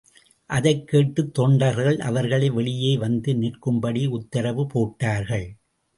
அதைக்கேட்டுத் தொண்டர்கள் அவர்களை வெளியே வந்து நிற்கும்படி உத்தரவு போட்டார்கள்.